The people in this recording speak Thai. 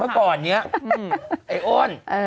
เมื่อก่อนเนี่ยอโอน